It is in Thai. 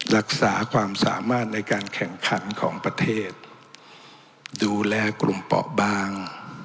รักษาความสามารถในการแข่งขันของประเทศดูแลกลุ่มเปาะบาง